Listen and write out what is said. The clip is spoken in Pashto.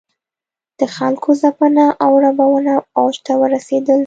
د خلکو ځپنه او ربړونه اوج ته ورسېدل.